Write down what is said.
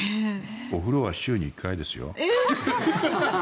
お風呂は週に１回ですよ。